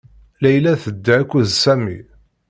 Layla tedda akked Sami.